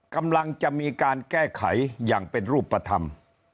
กำลังจะมีการแก้ไขอย่างเป็นรูปธรรม